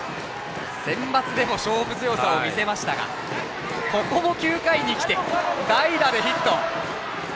センバツでも勝負強さを見せましたがここも９回にきて代打でヒット。